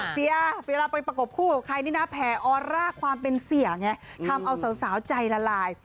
เสียเวลาไปประกบคู่กับใครนี่นะแผ่ออร่าความเป็นเสียไงทำเอาสาวใจละลาย